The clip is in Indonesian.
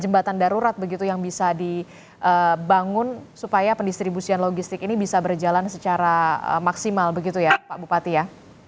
jembatan darurat begitu yang bisa dibangun supaya pendistribusian logistik ini bisa berjalan secara maksimal begitu ya pak bupati ya